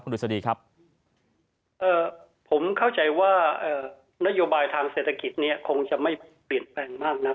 ผมเข้าใจว่านโยบายทางเศรษฐกิจคงจะไม่เปลี่ยนแปรงมาก